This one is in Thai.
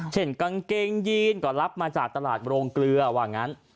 เช่นกางเกงยีนก็รับมาจากตลาดโรงเกลือว่างั้น